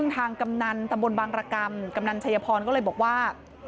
กำนันตำบลบางรกรรมกำนันชัยพรก็เลยบอกว่า